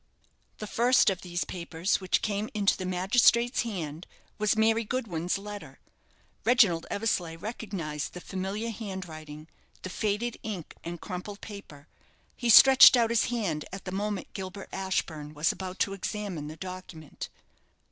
The first of these papers which came into the magistrate's hand was Mary Goodwin's letter. Reginald Eversleigh recognized the familiar handwriting, the faded ink, and crumpled paper. He stretched out his hand at the moment Gilbert Ashburne was about to examine the document.